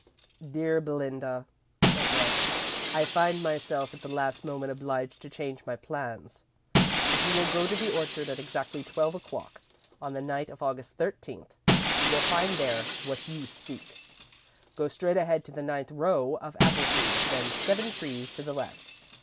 "Dear Belinda," it read. "I find myself at the last moment obliged to change my plans. If you will go to the orchard at exactly twelve o'clock on the night of August 13th, you will find there what you seek. Go straight ahead to the ninth row of apple trees, then seven trees to the left.